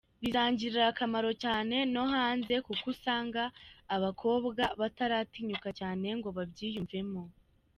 Bizangirira akamaro cyane no hanze kuko usanga abakobwa bataritinyuka cyane ngo babyiyumvemo.